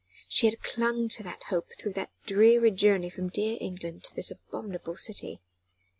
She had clung to that hope throughout that dreary journey from dear England to this abominable city.